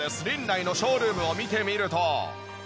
リンナイのショールームを見てみると。